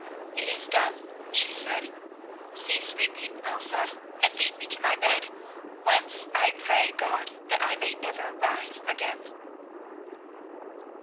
"It is done," she said. "Cease weeping, Elsa, and lead me to my bed, whence I pray God that I may never rise again."